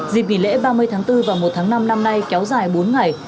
dịp nghỉ lễ ba mươi tháng bốn và một tháng năm năm nay kéo dài bốn ngày